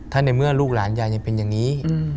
ถ้าในเมื่อลูกหลานยายยังเป็นอย่างนี้